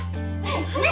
ねっ！